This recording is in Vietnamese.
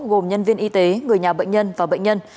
gồm nhân viên y tế người nhà bệnh nhân và bệnh nhân